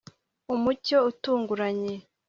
Umucyo utunguranye